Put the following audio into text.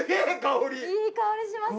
いい香りします。